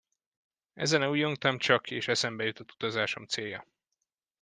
Ezen ujjongtam csak, és eszembe jutott utazásom célja.